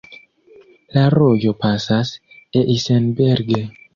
La rojo pasas Eisenberg.